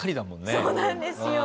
そうなんですよ。